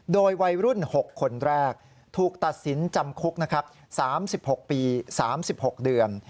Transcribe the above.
โดยวัยรุ่น๖คนแรกถูกตัดสินจำคุกนะครับ๓๖ปี๓๖เดือน